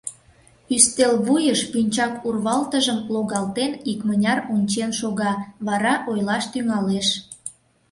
Ӱстел вуйыш пинчак урвалтыжым логалтен, икмыняр ончен шога, вара ойлаш тӱҥалеш.